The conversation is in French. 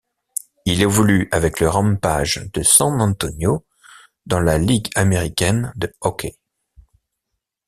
Il évolue avec le Rampage de San Antonio dans la Ligue américaine de hockey.